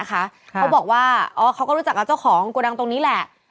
เขาบอกว่าเขาก็รู้จักกับเจ้าของโกดังตรงนี้แหละ